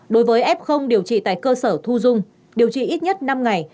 đối với f điều trị tại cơ sở thu dung điều trị ít nhất năm ngày